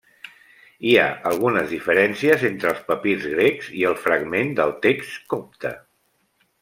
Hi ha algunes diferències entre els papirs grecs i el fragment del text copte.